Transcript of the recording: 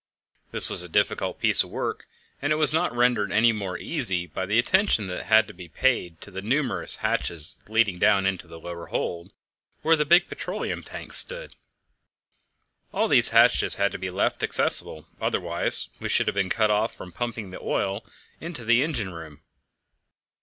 This was a difficult piece of work, and it was not rendered any more easy by the attention that had to be paid to the numerous hatches leading down into the lower hold, where the big petroleum tanks stood. All these hatches had to be left accessible, otherwise we should have been cut off from pumping the oil into the engine room.